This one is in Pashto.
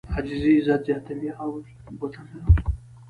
عاجزي عزت زیاتوي.